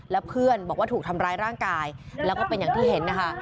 แล้วเพื่อนบอกว่าถูกทำร้ายร่างกายแล้วก็เป็นอย่างที่เห็นนะคะ